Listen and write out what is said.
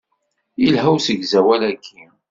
Yelha usegzawal-agi.